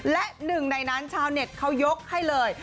และหนึ่งในนั้นชาวเน็ตเขายกให้เลย